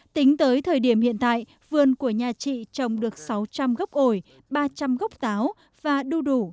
tính tới thời điểm hiện tại vườn của nhà chị trồng được sáu trăm linh gốc ổi ba trăm linh gốc táo và đu đủ